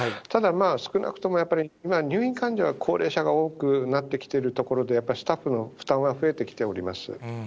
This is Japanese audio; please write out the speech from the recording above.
ただまあ、少なくともやっぱり入院患者は高齢者が多くなってきてるところで、やっぱりスタッフの負担は増えてきております。